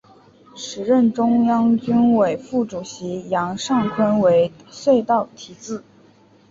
时任中央军委副主席杨尚昆为隧道题字。